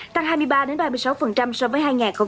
tăng hai mươi ba ba mươi sáu so với hai nghìn một mươi bảy